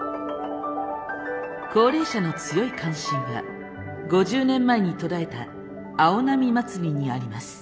高齢者の強い関心は５０年前に途絶えた青波祭りにあります。